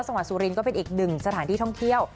สุรินทร์ก็เป็นอีกหนึ่งสถานที่ท่องเที่ยว